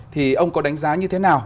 thì ông có đánh giá như thế nào